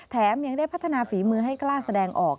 ยังได้พัฒนาฝีมือให้กล้าแสดงออก